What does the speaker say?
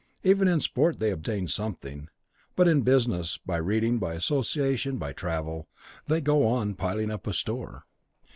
Even in sport they obtain something; but in business, by reading, by association, by travel, they go on piling up a store.